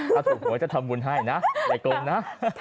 ม้าถูกหัวจะทำบุญให้นะใดกลมนะ